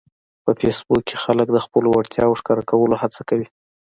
په فېسبوک کې خلک د خپلو وړتیاوو ښکاره کولو هڅه کوي